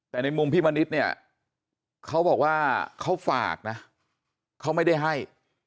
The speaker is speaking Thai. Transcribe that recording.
แต่ในมุมพี่มณิษฐ์เนี่ยเขาบอกว่าเขาฝากนะเขาไม่ได้ให้